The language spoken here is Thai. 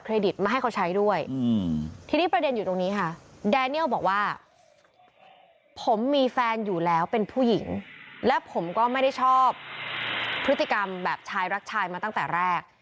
ก็ไม่ได้ชอบพฤติกรรมแบบชายรักชายมาตั้งแต่แรก